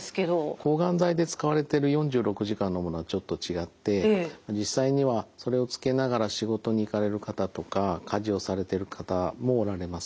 抗がん剤で使われてる４６時間のものはちょっと違って実際にはそれをつけながら仕事に行かれる方とか家事をされてる方もおられます。